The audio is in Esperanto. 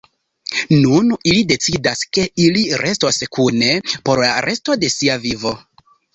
Nun ili decidas, ke ili restos kune por la resto de sia vivo.